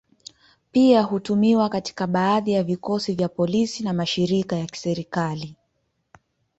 Pia hutumiwa katika baadhi ya vikosi vya polisi na mashirika ya kiserikali.